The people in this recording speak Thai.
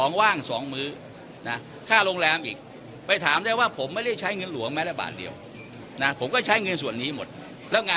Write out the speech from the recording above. งานก็ออกมาดีนะครับเอาความผิดมาลงทุกคนได้นะครับแต่ว่าเอ่อเราก็ต้องทำแบบนี้